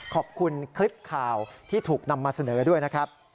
ขอบคุณคลิปข่าวที่ถูกนำมาเสนอด้วยนะครับ